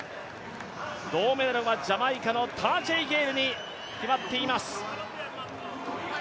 銅メダルはジャマイカのタージェイ・ゲイルに決まっています。